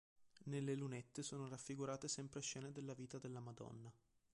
Nelle lunette sono raffigurate sempre scene della vita della Madonna.